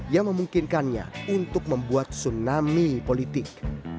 yang memungkinkannya untuk membuat tsunami politik